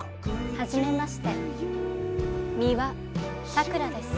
はじめまして美羽さくらです。